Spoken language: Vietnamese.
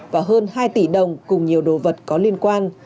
và hơn hai tỷ đồng cùng nhiều đồ vật có liên quan